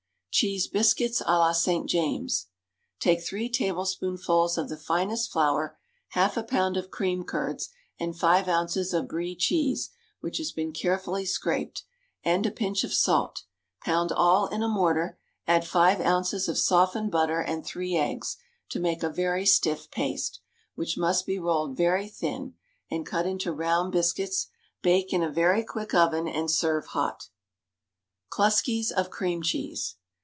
Cheese Biscuits à la St. James. Take three tablespoonfuls of the finest flour, half a pound of cream curds, and five ounces of Brie cheese, which has been carefully scraped, and a pinch of salt; pound all in a mortar; add five ounces of softened butter and three eggs, to make a very stiff paste, which must be rolled very thin, and cut into round biscuits. Bake in a very quick oven, and serve hot. _Kluskis of Cream Cheese.